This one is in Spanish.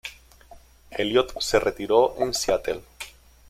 Elliott se retiró en Seattle.